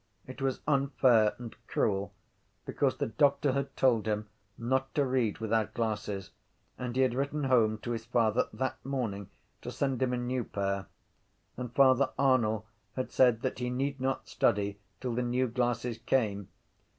It was unfair and cruel because the doctor had told him not to read without glasses and he had written home to his father that morning to send him a new pair. And Father Arnall had said that he need not study till the new glasses came.